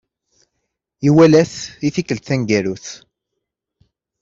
Iwala-t i tikkelt taneggarut.